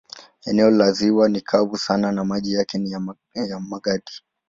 Eneo la ziwa ni kavu sana na maji yake ni ya magadi.